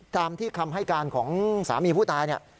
ตามที่คำให้การของสามีผู้ตายเนี่ย